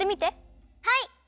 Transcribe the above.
はい！